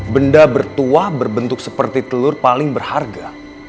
benda bertuah berbentuk seperti telur paling berharga